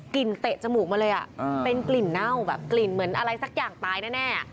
เตะจมูกมาเลยเป็นกลิ่นเน่าแบบกลิ่นเหมือนอะไรสักอย่างตายแน่